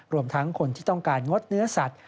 รวมทั้งคนที่ต้องการงดเนื้อสัตว